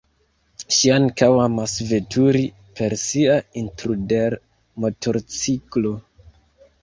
Ŝi ankaŭ amas veturi per sia Intruder-motorciklo.